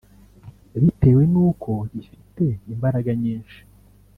Bitewe n’uko ifite imbaraga nyinshi